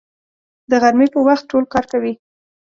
د غرمې په وخت ټول کار کوي